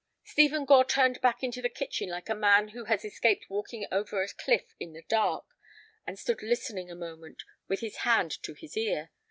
Stephen Gore turned back into the kitchen like a man who has escaped walking over a cliff in the dark, and stood listening a moment with his hand to his ear.